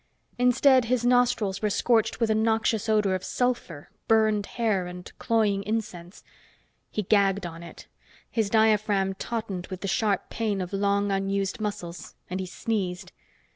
Instead, his nostrils were scorched with a noxious odor of sulfur, burned hair and cloying incense. He gagged on it. His diaphragm tautened with the sharp pain of long unused muscles, and he sneezed.